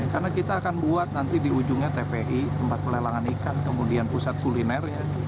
karena kita akan buat nanti di ujungnya tpi tempat pelelangan ikan kemudian pusat kuliner